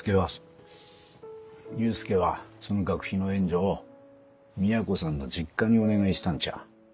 祐介はその学費の援助をみやこさんの実家にお願いしたんちゃ。